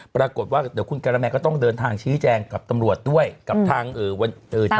ปรากฏว่าเดี๋ยวคุณการาแมนก็ต้องเดินทางชี้แจงกับตำรวจด้วยกับทางเอ่อวันเอ่อ